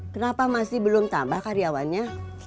kenapa masih belum tambah karyawannya